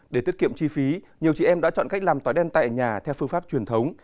để tiết kiệm chi phí nhiều chị em đã chọn cách làm tỏi đen tại nhà theo phương pháp truyền thống